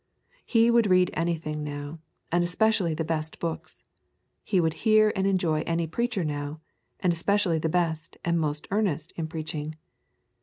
He would read anything now, and especially the best books. He would hear and enjoy any preacher now, and especially the best and most earnest in preaching.